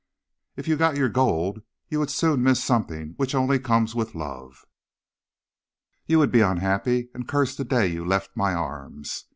If you got your gold, you would soon miss something which only comes with love. You would be unhappy, and curse the day you left my arms.